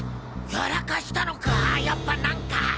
やらかしたのかやっぱ何か！